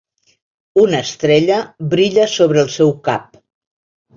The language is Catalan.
Una estrella brilla sobre el seu cap.